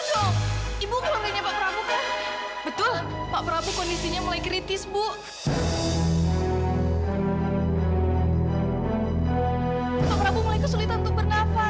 sampai jumpa di video selanjutnya